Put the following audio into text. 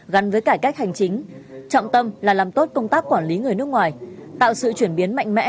gắn với cải cách hành chính trọng tâm là làm tốt công tác quản lý người nước ngoài tạo sự chuyển biến mạnh mẽ